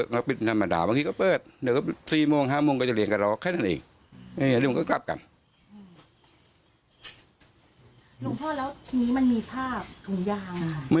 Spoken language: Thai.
กลายแล้วลองกลับกรรม